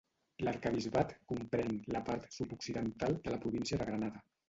L'arquebisbat comprèn la part sud-occidental de la província de Granada.